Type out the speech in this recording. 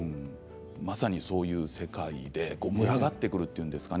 まさに、そういう世界で群がってくるというんですかね